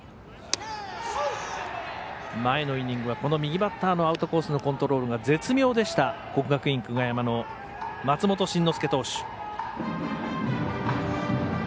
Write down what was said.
前のイニングは右バッターのアウトコースのコントロールが絶妙でした国学院久我山の松本慎之介投手。